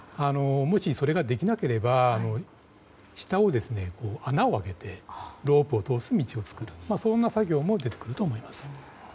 もし、それができないと下に穴を開けてロープを通す道を作る作業も出てくると思います。